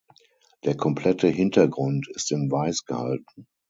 Der komplette Hintergrund ist in Weiß gehalten.